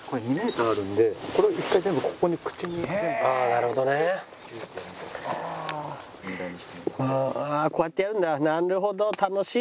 ああこうやってやるんだ。